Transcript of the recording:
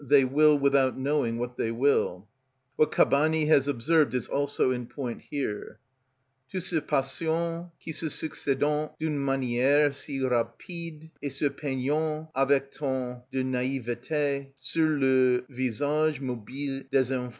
_, they will without knowing what they will. What Cabanis has observed is also in point here: "_Toutes ces passions, qui se succèdent d'une mannière si rapide, et se peignent avec tant de naïveté, sur le visage mobile des enfants.